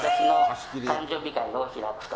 誕生日会を開くと。